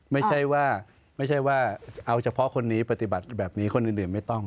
ไม่ใช่ว่าไม่ใช่ว่าเอาเฉพาะคนนี้ปฏิบัติแบบนี้คนอื่นไม่ต้อง